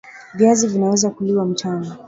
Viazi vinaweza kuliwa mchana